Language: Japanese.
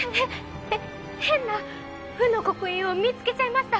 変な「不」の刻印を見つけちゃいました